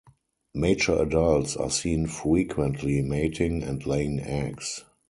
Mature adults are seen frequently mating and laying eggs.